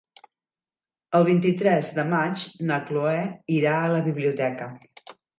El vint-i-tres de maig na Cloè irà a la biblioteca.